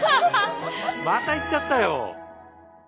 また行っちゃったよ。